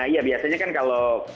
iya biasanya kan kalau